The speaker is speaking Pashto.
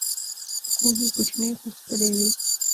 خونې کوچنۍ خو ښکلې وې.